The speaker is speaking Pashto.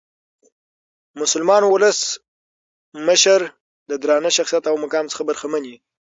مسلمان اولس مشر د درانه شخصیت او مقام څخه برخمن يي.